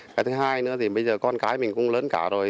cái thứ hai nữa thì bây giờ con cái mình cũng lớn cả rồi